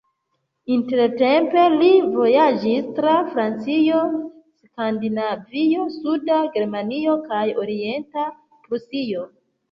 Intertempe li vojaĝis tra Francio, Skandinavio, Suda Germanio kaj Orienta Prusio.